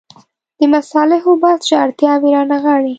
د مصالحو بحث چې اړتیاوې رانغاړي.